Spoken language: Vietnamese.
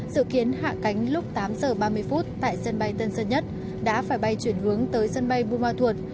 dự kiến hạ cánh lúc tám h ba mươi tại sân bay tân sơn nhất đã phải bay chuyển hướng tới sân bay buma thuột